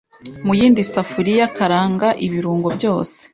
mu yindi safuriya karanga ibirungo byose